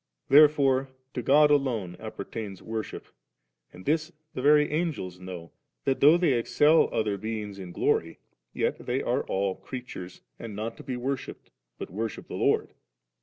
Therefore to God alone appertains worship, and this the very Angels know, that though they excel other beings in glory, yet they are all creatures and not to be worshipped^, but worship the Lord.